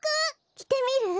きてみる？